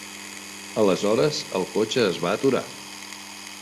Aleshores el cotxe es va aturar.